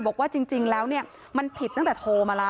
บอกว่าจริงแล้วเนี่ยมันผิดตั้งแต่โทรมาแล้ว